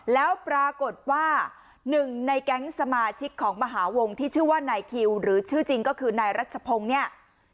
แล้วปรากฏว่าหนึ่งในแก๊งสมาชิกของมหาวงที่ชื่อว่านายคิวหรือชื่อจริงก็คือนายรัชพงศ์เนี่ย